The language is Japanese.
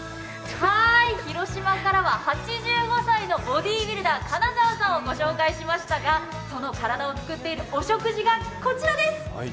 広島からは８５歳のボディービルダー、金澤さんを御紹介しましたがその体を作ってるお食事がこちらです。